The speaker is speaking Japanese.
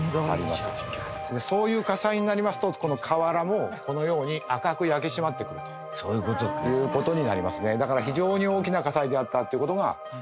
そういう火災になりますと瓦もこのように赤く焼け締まってくるという事になりますね。